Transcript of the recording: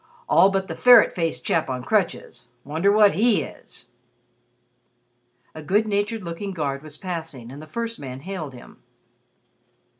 All but the ferret faced chap on crutches. Wonder what he is!" A good natured looking guard was passing, and the first man hailed him.